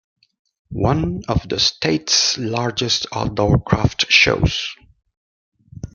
One of the state's largest outdoor craft shows.